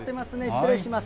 失礼します。